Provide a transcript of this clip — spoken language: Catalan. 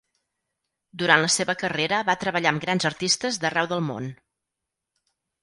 Durant la seva carrera va treballar amb grans artistes d'arreu del món.